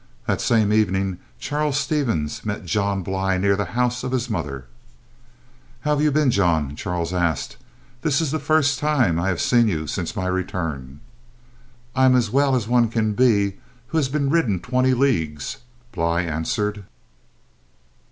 That same evening, Charles Stevens met John Bly near the house of his mother. "How have you been, John?" Charles asked. "This is the first time I have seen you since my return." "I am as well as one can be who has been ridden twenty leagues," Bly answered.